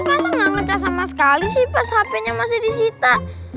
pasti gak ngecas sama sekali sih pas hpnya masih disita